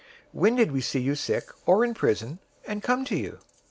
025:039 When did we see you sick, or in prison, and come to you?'